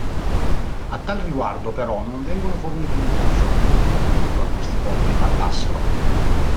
A tal riguardo però non vengono fornite indicazioni su quale lingua questi popoli parlassero.